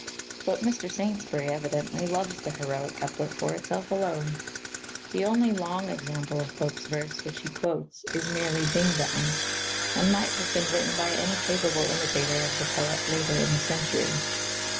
But Mr. Saintsbury evidently loves the heroic couplet for itself alone. The only long example of Pope's verse which he quotes is merely ding dong, and might have been written by any capable imitator of the poet later in the century.